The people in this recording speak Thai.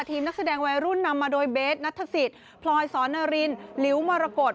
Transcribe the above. นักแสดงวัยรุ่นนำมาโดยเบสนัทศิษย์พลอยสอนนารินลิ้วมรกฏ